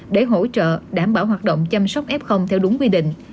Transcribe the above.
để hỗ trợ đảm bảo hoạt động chăm sóc f theo đúng quy định